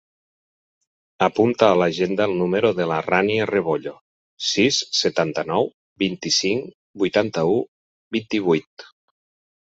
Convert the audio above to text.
Apunta a l'agenda el número de la Rània Rebollo: sis, setanta-nou, vint-i-cinc, vuitanta-u, vint-i-vuit.